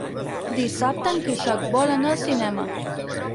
Dissabte en Quixot vol anar al cinema.